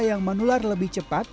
yang menular lebih cepat